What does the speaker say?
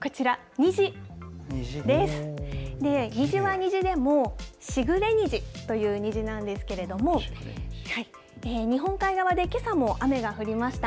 虹は虹でも時雨虹という虹なんですけれども、日本海側でけさも雨が降りました。